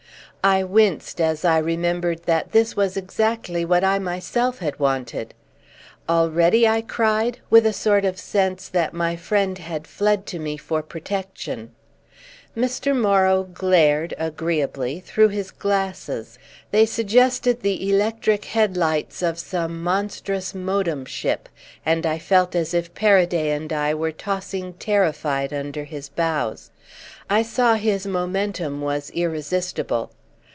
I winced as I remembered that this was exactly what I myself had wanted. "Already?" I cried with a sort of sense that my friend had fled to me for protection. Mr. Morrow glared, agreeably, through his glasses: they suggested the electric headlights of some monstrous modern ship, and I felt as if Paraday and I were tossing terrified under his bows. I saw his momentum was irresistible.